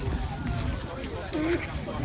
สวัสดีครับคุณผู้ชาย